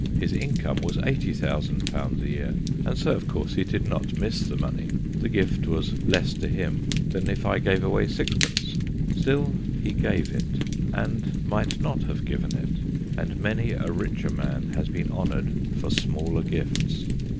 His income was 80,000 a year, and so of course he did not miss the money : the gift was less to him than if I gave away sixpence. Still, he gave it, and might not have given it, and many a richer man has been honoured for smaller gifts.